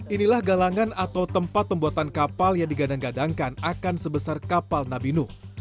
inilah galangan atau tempat pembuatan kapal yang digadang gadangkan akan sebesar kapal nabi nuh